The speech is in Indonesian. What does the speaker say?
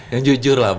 yang jujur lah bang